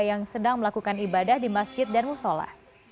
yang sedang melakukan ibadah di masjid dan musola